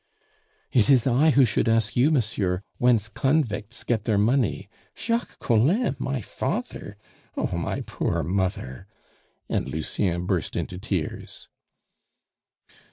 "It is I who should ask you, monsieur, whence convicts get their money! Jacques Collin my father! Oh, my poor mother!" and Lucien burst into tears.